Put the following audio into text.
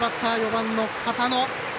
４番の片野。